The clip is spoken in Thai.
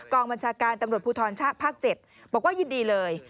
บัญชาการตำรวจภูทรชะภาค๗บอกว่ายินดีเลย